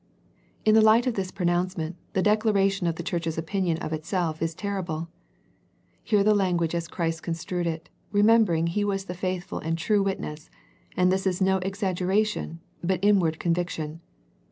In the light of this pronouncement the dec laration of the church's opinion of itself is ter rible. Hear the language as Christ construed it, remembering He was the faithful and true Witness, and this is no exaggeration, but in ward conviction.